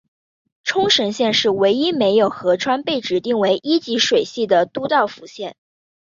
冲绳县是唯一没有河川被指定为一级水系的都道府县。